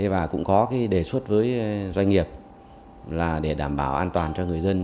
và cũng có đề xuất với doanh nghiệp là để đảm bảo an toàn cho người dân